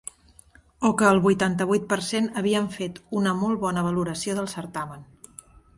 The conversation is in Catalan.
O que el vuitanta-vuit per cent havien fet una molt bona valoració del certamen.